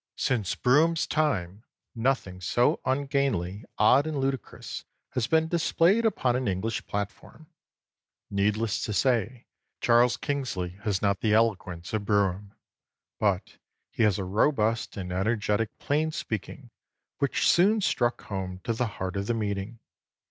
Since Brougham's time nothing so ungainly, odd, and ludicrous had been displayed upon an English platform. Needless to say, Charles Kingsley has not the eloquence of Brougham. But he has a robust and energetic plain speaking which soon struck home to the heart of the meeting.